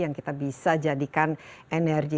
yang kita bisa jadikan energi